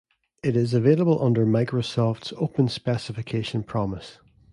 It is available under Microsoft's Open Specification Promise.